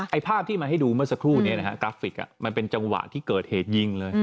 ภาพที่มาให้ดูเมื่อสักครู่นี้นะฮะกราฟิกมันเป็นจังหวะที่เกิดเหตุยิงเลย